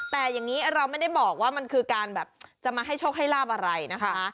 แต่อย่างนี้เราไม่ได้บอกว่ามันคือการแบบจะมาให้โชคให้ลาบอะไรนะคะ